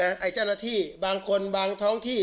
ไอ้เจ้าหน้าที่บางคนบางท้องที่